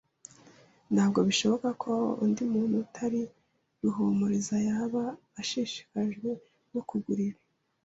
Ntabwo bishoboka ko undi muntu utari Ruhumuriza yaba ashishikajwe no kugura ibi.